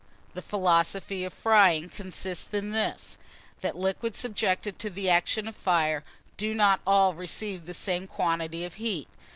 THE PHILOSOPHY OF FRYING consists in this, that liquids subjected to the action of fire do not all receive the same quantity of heat.